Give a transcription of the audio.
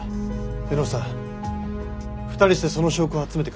卯之さん２人してその証拠を集めてくるぜ。